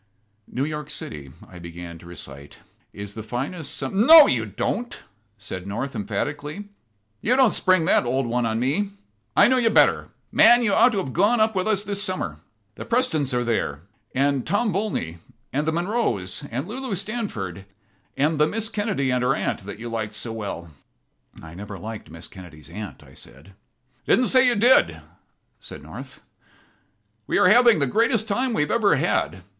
"New York City," I began to recite, "is the finest sum " "No, you don't," said North, emphatically. "You don't spring that old one on me. I know you know better. Man, you ought to have gone up with us this summer. The Prestons are there, and Tom Volney and the Monroes and Lulu Stanford and the Miss Kennedy and her aunt that you liked so well." "I never liked Miss Kennedy's aunt," I said. "I didn't say you did," said North. "We are having the greatest time we've ever had.